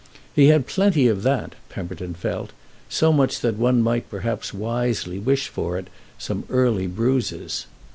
He had plenty of that, Pemberton felt—so much that one might perhaps wisely wish for it some early bruises.